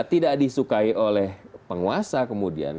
tidak disukai oleh penguasa kemudian